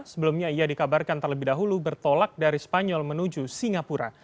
sebelumnya ia dikabarkan terlebih dahulu bertolak dari spanyol menuju singapura